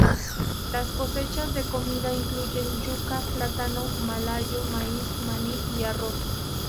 Las cosechas de comida incluyen yuca, plátano malayo, maíz, maní y arroz.